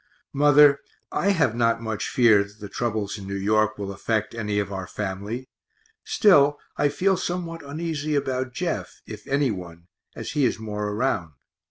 Mother, I have not much fear that the troubles in New York will affect any of our family, still I feel somewhat uneasy about Jeff, if any one, as he is more around.